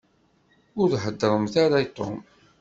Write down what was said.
Ur heddṛemt ara i Tom.